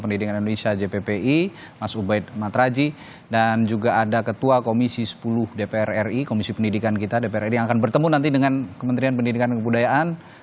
pendidikan indonesia jppi mas ubaid matraji dan juga ada ketua komisi sepuluh dpr ri komisi pendidikan kita dpr ri yang akan bertemu nanti dengan kementerian pendidikan dan kebudayaan